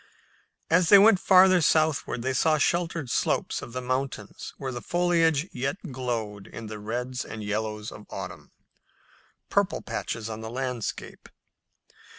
As they went farther southward they saw sheltered slopes of the mountains where the foliage yet glowed in the reds and yellows of autumn, "purple patches" on the landscape.